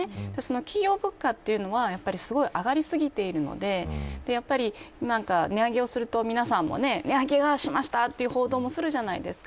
企業物価は上がりすぎていて値上げをすると、皆さんも値上げしましたという報道もするじゃないですか。